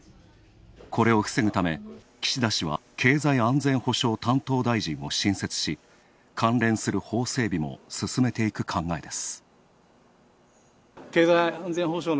これを防ぐため、岸田氏は経済安全保障担当大臣を新設し関連する法整備も進めていく考えです。